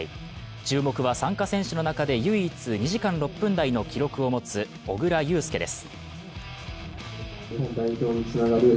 注目は、参加選手の中で唯一２時間６分台の記録を持つ小椋裕介です。